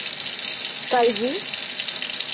Kaj vi?